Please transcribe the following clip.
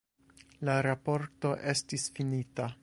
La raporto estis finita.